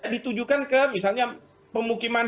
ditujukan ke misalnya pemukiman